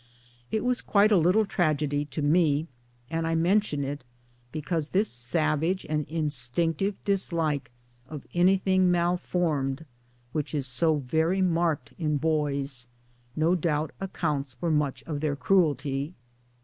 It was quite a little tragedy to me and I mention it because this savage and in stinctive dislike of anything malformed, which is so very marked in boys, no doubt accounts for much of their cruelty.